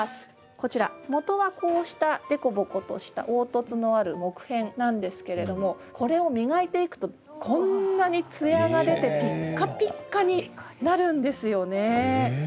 こちら元は、こうしたでこぼことしたおうとつのある木片なんですけれどもこれを磨いていくとこんなにツヤが出てピッカピカになるんですよね。